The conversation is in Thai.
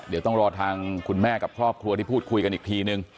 เดี๋ยวต้องรอทางคุณแม่กับครอบครัวที่พูดคุยกันอีกทีนึง